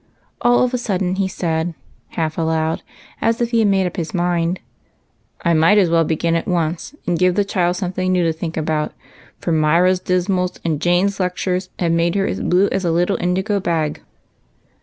All of a sudden he said, half aloud, as if he had made up his mind, —" I might as well begin at once, and give the child something new to think about, for Myra's dismals and Jane's lectures have made her as blue as a little indigo bag."